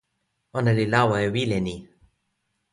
ona li lawa e wile ni.